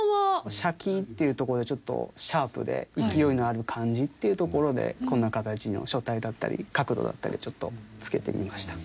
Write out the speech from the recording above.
シャキーンっていうところでちょっとシャープで勢いのある感じっていうところでこんな形の書体だったり角度だったりをちょっとつけてみました。